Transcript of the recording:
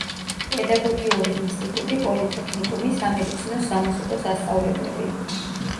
პედაგოგიური ინსტიტუტი, პოლიტექნიკუმი, სამედიცინო, სამუსიკო სასწავლებლები.